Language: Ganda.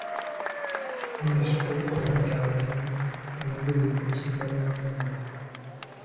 Minisitule ewadde abalimi amagezi ku nsimba ya muwogo.